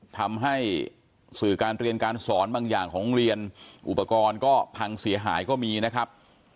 ทำให้สื่อการเรียนการสอนบางอย่างของโรงเรียนอุปกรณ์ก็พังเสียหายก็มีนะครับ